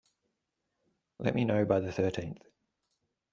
Let me know by the thirteenth.